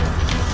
ayo kita berdua